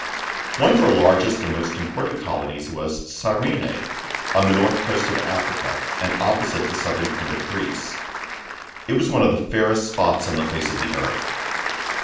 One of her largest and most important colonies was "Gyrene, on the north coast of Africa, and opposite the southern point of Greece. It was one of the fairest spots on the face of the earth.